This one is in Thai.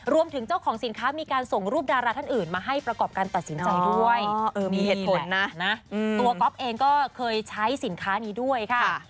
รวมถึงเจ้าของสินค้ามีการส่งรูปดาราท่านอื่นมาให้ประกอบการตัดสินใจด้วย